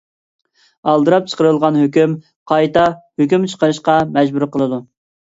ئالدىراپ چىقىرىلغان ھۆكۈم، قايتا ھۆكۈم چىقىرىشقا مەجبۇر قىلىدۇ.